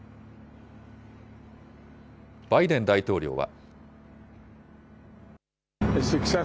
バイデン大統領は。